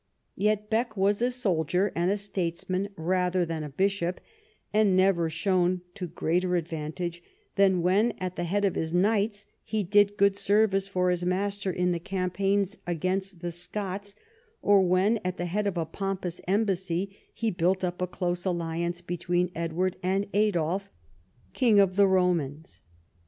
Yet Bek was a soldier and a statesman rather than a bishop, and never shone to greater advantage than Avhen, at the head of his knights, he did good service for his master in the campaigns against the Scots, or when, at the head of a pompous embassy, he built up a close alliance between Edward and Adolf, King of the Eomans.